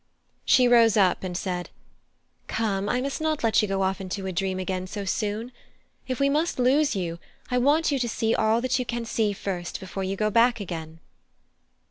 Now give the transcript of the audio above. She rose up and said: "Come, I must not let you go off into a dream again so soon. If we must lose you, I want you to see all that you can see first before you go back again."